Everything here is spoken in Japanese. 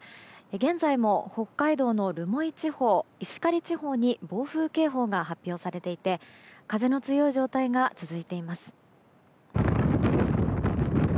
現在も北海道の留萌地方、石狩地方に暴風警報が発表されていて風の強い状態が続いています。